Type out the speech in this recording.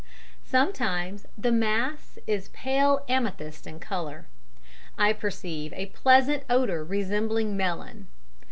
Sometimes the mass is pale amethyst in colour. I perceive a pleasant odour resembling melon.